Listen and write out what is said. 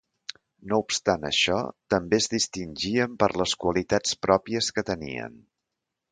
No obstant això, també es distingien per les qualitats pròpies que tenien.